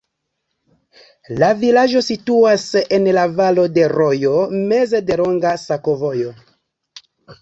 La vilaĝo situas en valo de rojo, meze de longa sakovojo.